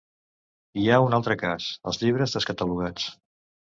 Hi ha un altre cas: els llibres descatalogats.